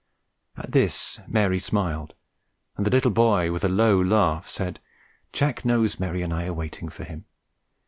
At this Mary smiled; and the little boy, with a low laugh, said: "Jack knows Mary and I are waiting for him.